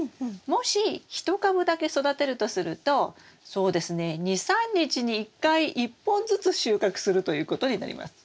もし１株だけ育てるとするとそうですね２３日に１回１本ずつ収穫するということになります。